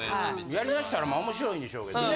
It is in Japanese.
やりだしたら面白いんでしょうけどね。